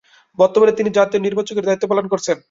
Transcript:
বর্তমানে তিনি জাতীয় নির্বাচকের দায়িত্ব পালন করছেন।